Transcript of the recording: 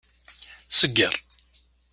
Segger.